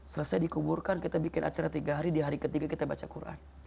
selesai dikuburkan kita bikin acara tiga hari di hari ketiga kita baca quran